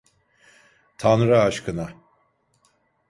Tanrı aşkına.